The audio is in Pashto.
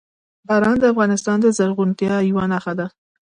باران د افغانستان د زرغونتیا یوه نښه ده.